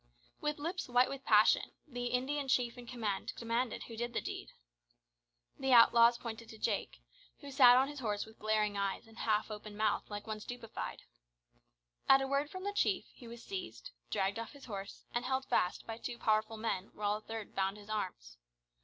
With lips white from passion, the Indian chief in command demanded who did the deed. The outlaws pointed to Jake, who sat on his horse with glaring eyes and half open mouth like one stupefied. At a word from the chief, he was seized, dragged off his horse, and held fast by two powerful men while a third bound his arms.